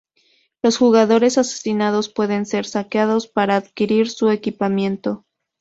Los jugadores asesinados pueden ser saqueados para adquirir su equipamiento.